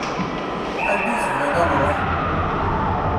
Anda i tebɣiḍ ad nruḥ?